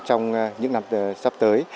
trong những năm sắp tới